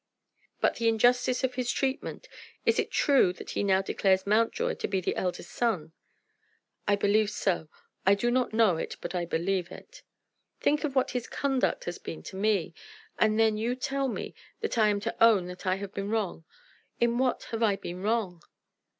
"But the injustice of his treatment. Is it true that he now declares Mountjoy to be the eldest son?" "I believe so. I do not know, but I believe it." "Think of what his conduct has been to me. And then you tell me that I am to own that I have been wrong! In what have I been wrong?"